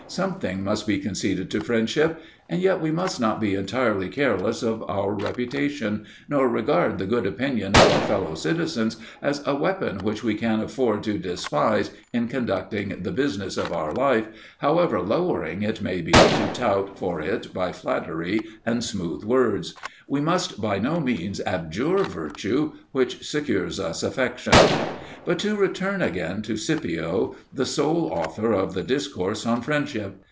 Something must be conceded to friendship. And yet we must not be entirely careless of our reputation, nor regard the good opinion of our fellow citizens as a weapon which we can afford to despise in conducting the business of our life, however lowering it may be to tout for it by flattery and smooth words. We must by no means abjure virtue, which secures us affection. But to return again to Scipio, the sole author of the discourse on friendship.